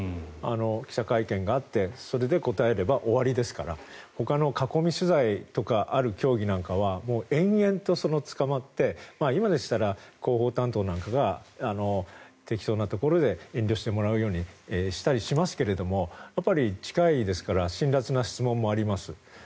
記者会見があってそれで答えれば終わりですからほかの囲み取材とかがある競技は延々とつかまって今でしたら広報担当なんかが適当なところで遠慮してもらうようにしたりしますがやっぱり、近いですから辛らつな質問もあります。